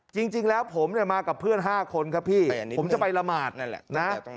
จริงแล้วผมเนี่ยมากับเพื่อน๕คนครับพี่ผมจะไปละหมาดนั่นแหละนะ